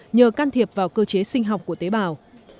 nhờ can thiệp vào cơ chế sinh học của tế bào